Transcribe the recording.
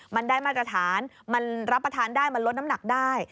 มันได้มาตรฐานมันรับประทานได้มันลดน้ำหนักได้